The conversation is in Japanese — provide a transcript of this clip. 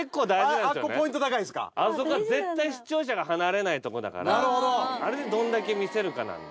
あそこは絶対視聴者が離れないとこだからあれでどんだけ見せるかなんで。